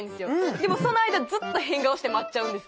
でもその間ずっと変顔して待っちゃうんです。